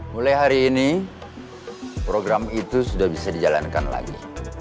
mulai hari ini program itu sudah bisa dijalankan lagi